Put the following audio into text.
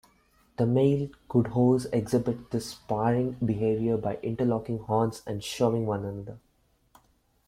The male kudus exhibit this sparring behavior by interlocking horns and shoving one another.